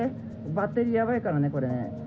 バッテリーやばいからね、これね。